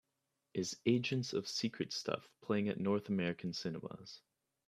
Is Agents of Secret Stuff playing at North American Cinemas